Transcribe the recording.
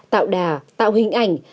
tạo đà tạo hình ảnh